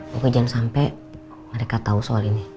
pokoknya jangan sampai mereka tahu soal ini